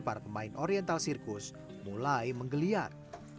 para pemain oriental circus mulai menggeliar